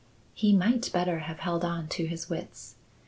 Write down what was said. He might better have held on to his wits.